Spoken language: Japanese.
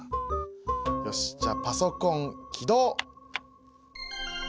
よしじゃあパソコン起動！